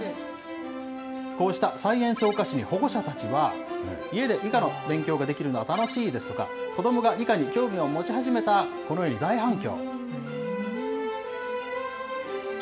こうしたサイエンスお菓子に保護者たちは、家で理科の勉強ができるのは楽しいですとか、子どもが理科に興味を持ち始めたと、このように大反響。